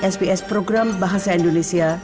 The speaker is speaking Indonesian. sbs program bahasa indonesia